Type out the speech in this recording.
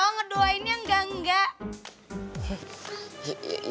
ngedoain yang enggak enggak